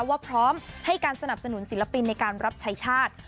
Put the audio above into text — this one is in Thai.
ว่าพร้อมให้การสนับสนุนศิลปินในการรับใช้ชาติ